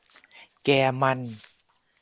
แกมัน